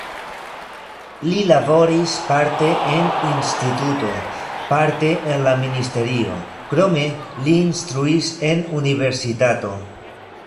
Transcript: Li laboris parte en instituto, parte en la ministerio, krome li instruis en universitato.